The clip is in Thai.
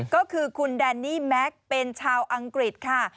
ก็คือคุณแดนนี่แม็กซ์เป็นชาวอังกฤษค่ะ